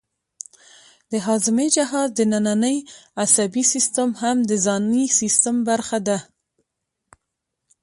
د هاضمې جهاز دنننی عصبي سیستم هم د ځانی سیستم برخه ده